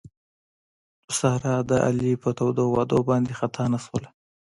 ساره د علي په تودو وعدو باندې خطا نه شوله.